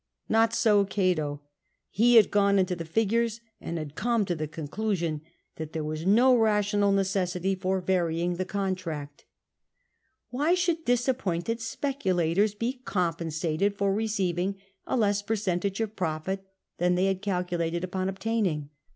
Not so Cato: he had gone into the jBgures, and had come to the conclusion that there was no rational necessity for varying the contract. Why should ^ ^p, ad Atticufrif li, i, § 3. 2I6 CATO disappointed speculators be compensated for receiving a less percentage of profit than they had calculated upon obtaining?